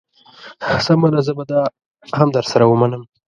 سمه ده زه به دا هم در سره ومنم.